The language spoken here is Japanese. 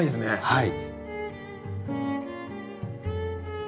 はい。